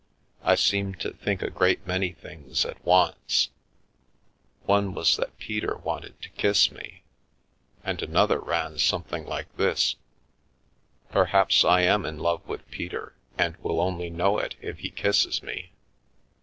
I seemed to think a great many things at once. One was that Peter wanted to kiss me, and another ran something like this :" Per haps I am in love with Peter and will only know it if he kisses me.